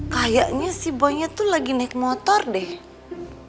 kayaknya si bonya tuh lagi naik motor deh